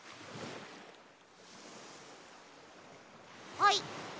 はい。